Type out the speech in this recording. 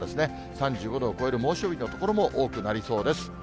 ３５度を超える猛暑日の所も多くなりそうです。